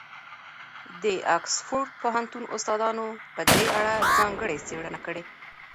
د اکسفورډ پوهنتون استادانو په دې اړه ځانګړې څېړنې کړي.